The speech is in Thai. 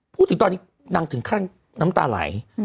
พูดถึงตอนนี้นางถึงขั้นน้ำตาไหล